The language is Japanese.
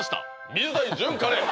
水谷隼カレー！